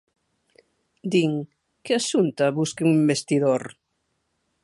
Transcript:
Din: ¡Que a Xunta busque un investidor!